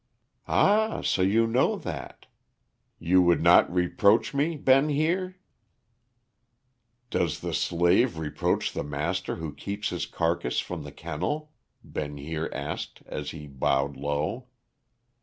"Ah, so you know that. You would not reproach me, Ben Heer?" "Does the slave reproach the master who keeps his carcass from the kennel?" Ben Heer asked, as he bowed low.